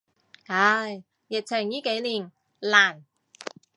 唉，疫情依幾年，難。